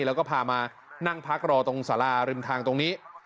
แล้วก็พามานั่งพักรอตรงสาราริมทางตรงนี้